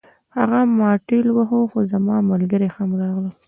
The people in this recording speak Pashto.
هغه ما ټېل واهه خو زما ملګري هم راغلل